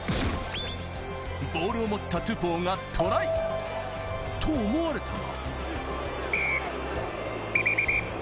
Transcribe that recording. ボールを持ったトゥポウがトライ、と思われたが。